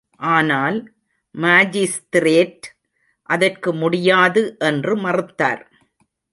ஆனால், மாஜிஸ்திரேட் அதற்கு முடியாது என்று மறுத்தார்.